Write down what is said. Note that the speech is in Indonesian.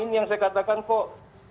ini yang saya katakan kok